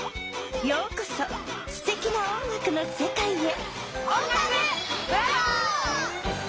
ようこそすてきな音楽のせかいへ！